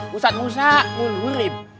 pusat pusat pun hulim